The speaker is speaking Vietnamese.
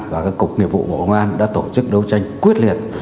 và các cục nghiệp vụ bộ công an đã tổ chức đấu tranh quyết liệt